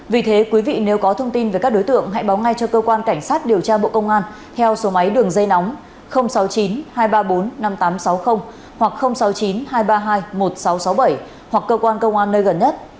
vì thế quý vị nếu có thông tin về các đối tượng hãy báo ngay cho cơ quan cảnh sát điều tra bộ công an theo số máy đường dây nóng sáu mươi chín hai trăm ba mươi bốn năm nghìn tám trăm sáu mươi hoặc sáu mươi chín hai trăm ba mươi hai một nghìn sáu trăm sáu mươi bảy hoặc cơ quan công an nơi gần nhất